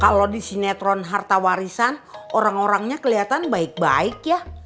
kalau di sinetron harta warisan orang orangnya kelihatan baik baik ya